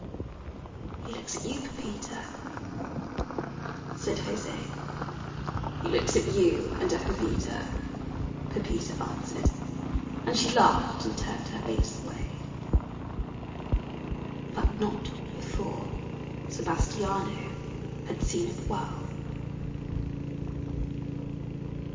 "He looks at you, Pepita," said José. "He looks at you and at Jovita," Pepita answered. And she laughed and turned her face away. But not before Sebastiano had seen it well.